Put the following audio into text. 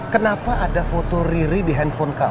kenapa ada foto riri di handphone kamu